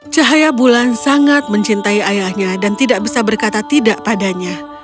cahaya bulan sangat mencintai ayahnya dan tidak bisa berkata tidak padanya